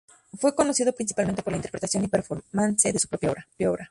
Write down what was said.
Fue conocido principalmente por la interpretación y performance de su propia obra.